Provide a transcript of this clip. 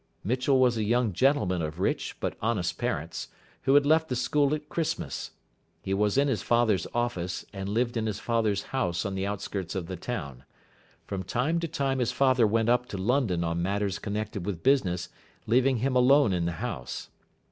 Mitchell was a young gentleman of rich but honest parents, who had left the school at Christmas. He was in his father's office, and lived in his father's house on the outskirts of the town. From time to time his father went up to London on matters connected with business, leaving him alone in the house.